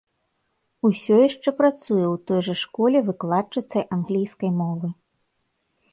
Усё яшчэ працуе ў той жа школе выкладчыцай англійскай мовы.